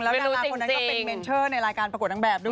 แล้วดาราคนนั้นก็เป็นเมนเชอร์ในรายการประกวดนางแบบด้วย